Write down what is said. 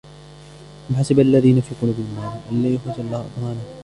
أم حسب الذين في قلوبهم مرض أن لن يخرج الله أضغانهم